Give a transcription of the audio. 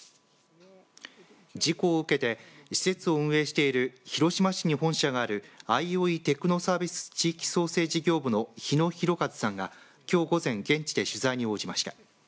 事故を受けて施設を運営している広島市に本社があるアイオイテクノサービス地域創生事業部の日野広和さんが、きょう午前現地で取材に応じました。